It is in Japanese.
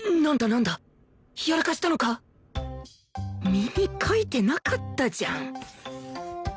耳描いてなかったじゃん